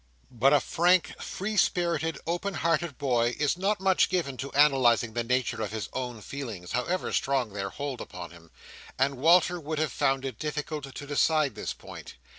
But a frank, free spirited, open hearted boy, is not much given to analysing the nature of his own feelings, however strong their hold upon him: and Walter would have found it difficult to decide this point.